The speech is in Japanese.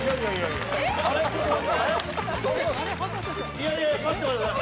いやいや待ってください。